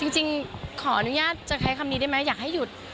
จริงขออนุญาตจะใช้คำนี้ได้ไหมอยากให้หยุด